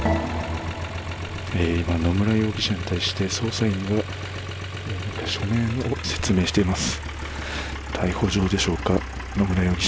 今、野村容疑者に対して捜査員が何か書面を説明しています。